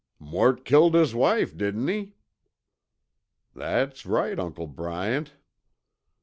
"Mort kilt his wife, didn't he?" "That's right, Uncle Bryant."